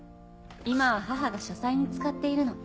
今は母が書斎に使っているの。